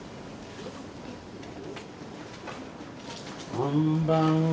こんばんは。